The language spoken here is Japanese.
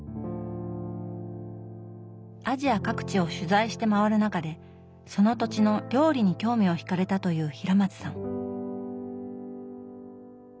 アジア各地を取材して回る中でその土地の料理に興味をひかれたという平松さん。